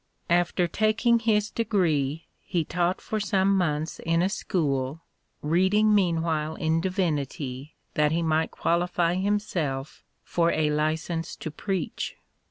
After taking his degree he taught for some months in a school, reading meanwhile in Divinity that he might qualify himself for a licence to preach.